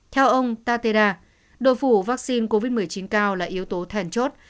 theo ông tateda độ phủ vaccine covid một mươi chín cao là yếu tố thèn chốt